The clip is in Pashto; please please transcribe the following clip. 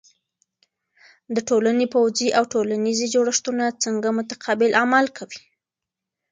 د ټولنې پوځی او ټولنیزې جوړښتونه څنګه متقابل عمل کوي؟